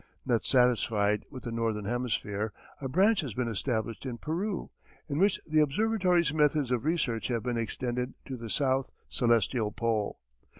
Not satisfied with the Northern hemisphere, a branch has been established in Peru, in which the observatory's methods of research have been extended to the south celestial pole.